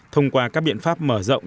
thông qua các biện pháp mở rộng